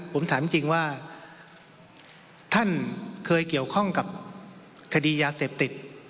ผมถามจริงว่าท่านเคยเกี่ยวข้องกับคดียาเสพติด